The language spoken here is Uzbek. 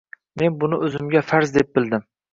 Men buni o‘zimga farz deb bildim